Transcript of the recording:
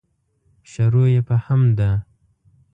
شروع یې په حمد ده.